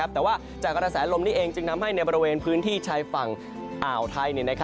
แต่ว่าจากกระแสลมนี้เองจึงทำให้ในบริเวณพื้นที่ชายฝั่งอ่าวไทย